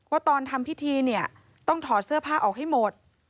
ว่าตอนทำพิธีต้องถอดเสื้อผ้าออกให้หมด